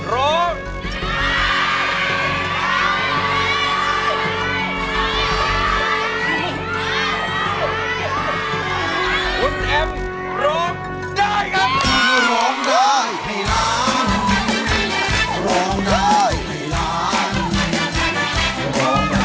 ร้องได้ร้องได้ร้องได้ร้องได้ร้องได้ร้องได้